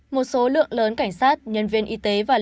một số lượng lớn cảnh sát nhân viên y tế và lưu trang